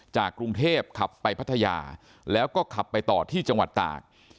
กรุงเทพขับไปพัทยาแล้วก็ขับไปต่อที่จังหวัดตาก